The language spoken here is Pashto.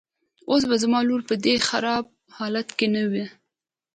اوس به زما لور په دې خراب حالت کې نه وه.